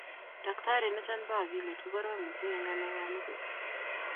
daktarit niton bo akilit ko korom mising eng' ngalek ab metit